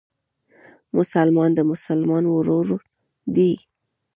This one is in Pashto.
مسلمان د مسلمان ورور دئ.